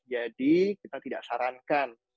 jadi kita tidak sarankan